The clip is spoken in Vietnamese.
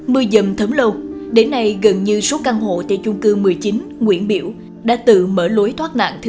mưa dầm thấm lâu đến nay gần như số căn hộ tại chung cư một mươi chín nguyễn biểu đã tự mở lối thoát nạn thứ hai